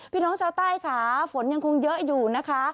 พี่น้องชาวใต้ค่ะฝนยังคงเยอะอยู่นะคะ